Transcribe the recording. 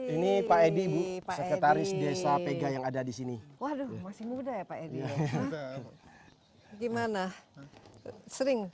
ini pak edi bu sekretaris desa pega yang ada di sini waduh masih muda ya pak edi gimana sering